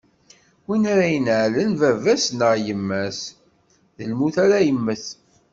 Win ara ineɛlen baba-s neɣ yemma-s, lmut ara yemmet.